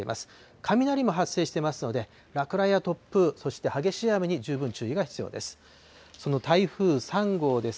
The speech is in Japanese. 雷も発生していますので、落雷や突風、そして激しい雨に十分注意が必要です。